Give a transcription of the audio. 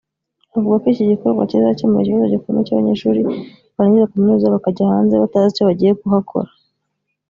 avuga ko iki gikorwa kizakemura ikibazo gikomeye cy’abanyeshuri barangiza kaminuza bakajya hanze batazi icyo bagiye kuhakora